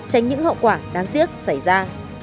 tránh những hậu quả đáng tiếc xảy ra